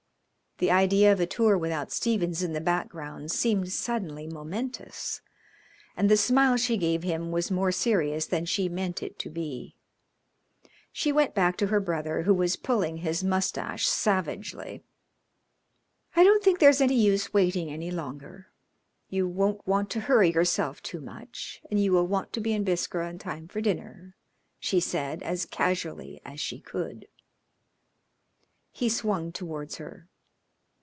The idea of a tour without Stephens in the background seemed suddenly momentous, and the smile she gave him was more serious than she meant it to be. She went back to her brother, who was pulling his moustache savagely. "I don't think there's any use waiting any longer. You won't want to hurry yourself too much, and you will want to be in Biskra in time for dinner," she said as casually as she could. He swung towards her.